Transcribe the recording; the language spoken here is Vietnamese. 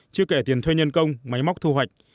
chứ kể tiền thuê nhân công máy móc thu hoạch